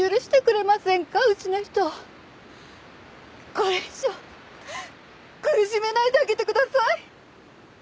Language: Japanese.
これ以上苦しめないであげてください！